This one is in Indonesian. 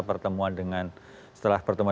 pertemuan dengan setelah pertemuan